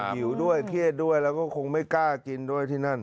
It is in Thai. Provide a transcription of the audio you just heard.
หิวด้วยเครียดด้วยแล้วก็คงไม่กล้ากินด้วยที่นั่น